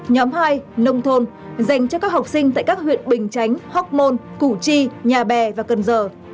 nhóm hai nông thôn dành cho các học sinh tại các huyện bình chánh hóc môn củ chi nhà bè và cần giờ